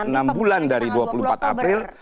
nanti pepulih di dua puluh empat april